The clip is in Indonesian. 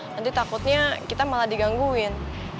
nanti takutnya kita malah digangguin